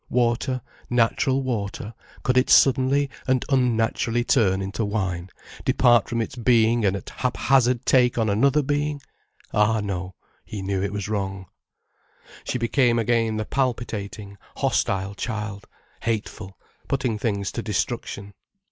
Water, natural water, could it suddenly and unnaturally turn into wine, depart from its being and at haphazard take on another being? Ah no, he knew it was wrong. She became again the palpitating, hostile child, hateful, putting things to destruction.